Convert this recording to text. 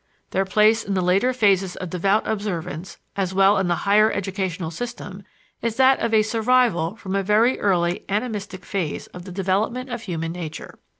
Their place in the later phases of devout observance, as well as in the higher educational system, is that of a survival from a very early animistic phase of the development of human nature.